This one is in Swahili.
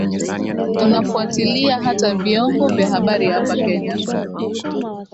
unafwatilia hata viombo vya habari hapa kenya